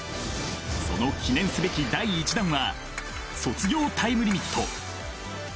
その記念すべき第１弾は「卒業タイムリミット」。